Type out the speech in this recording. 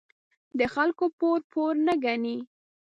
د خلکو پور، پور نه گڼي.